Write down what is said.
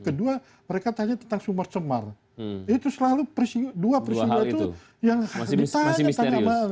kedua mereka tanya tentang sumar cemar itu selalu dua peristiwa itu yang ditanya tanya